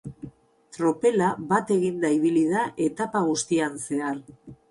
Tropela bat eginda ibili da etapa guztian zehar.